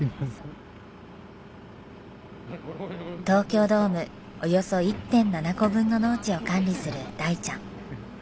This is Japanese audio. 東京ドームおよそ１．７個分の農地を管理する大ちゃん。